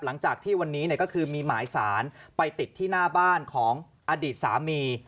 หลังจากที่วันนี้ก็คือมีหมายสารไปติดที่หน้าบ้านของอดีตสามี